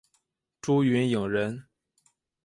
朱云影人。